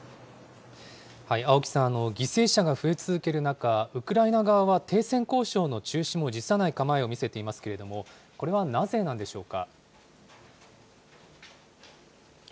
青木さん、犠牲者が増え続ける中、ウクライナ側は停戦交渉の中止も辞さない構えを見せていますけれども、これはなぜなんでしょうか。